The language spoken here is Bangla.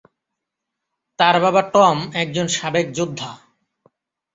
তার বাবা টম একজন সাবেক যোদ্ধা।